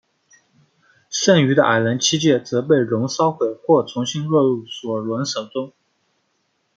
剩余的矮人七戒则被龙烧毁或重新落入索伦手中。